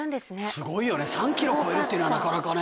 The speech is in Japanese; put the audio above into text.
すごいよね３ｋｇ超えるってのはなかなかね。